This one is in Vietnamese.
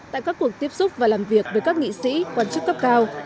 tại các cuộc tiếp xúc và làm việc với các nghị sĩ quan chức cấp cao